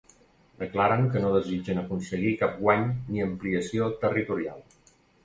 Declaren que no desitgen aconseguir cap guany ni ampliació territorial.